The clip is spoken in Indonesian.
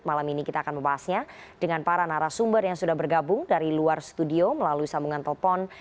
malam ini kita akan membahasnya dengan para narasumber yang sudah bergabung dari luar studio melalui sambungan telepon